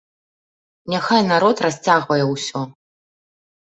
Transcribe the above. Няхай народ расцягвае ўсё.